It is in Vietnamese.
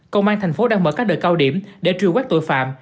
công an tp hcm đang mở các đợt cao điểm để truyền quét tội phạm